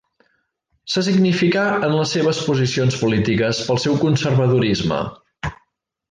Se significà en les seves posicions polítiques pel seu conservadorisme.